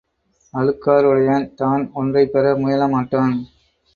அழுக்காறுடையான், தான் ஒன்றைப்பெற முயல மாட்டான்.